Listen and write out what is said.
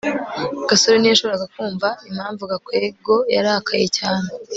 gasore ntiyashoboraga kumva impamvu gakwego yarakaye cyane